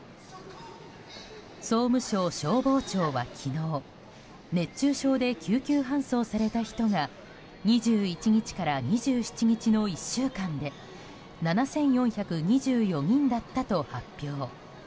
総務省消防庁は昨日熱中症で救急搬送された人が２１日から２７日の１週間で７４２４人だったと発表。